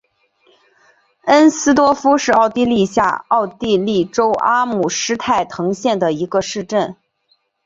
恩斯多夫是奥地利下奥地利州阿姆施泰滕县的一个市镇。